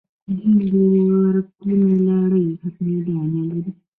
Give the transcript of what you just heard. دین درکونو لړۍ ختمېدا نه لري.